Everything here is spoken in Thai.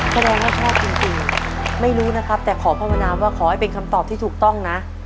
แสดงว่าชอบจริงไม่รู้นะครับแต่ขอภาวนาว่าขอให้เป็นคำตอบที่ถูกต้องนะ